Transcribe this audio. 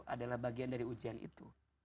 adalah bagian dari ujian itu